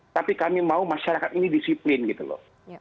tapi kami mau masyarakat ini disiplin gitu loh